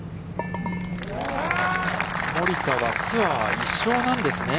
森田はツアー１勝なんですね。